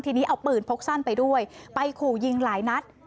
ทีนี้เอาปืนพกสั้นไปด้วยไปขู่ยิงหลายนัด